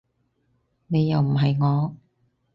你又唔係我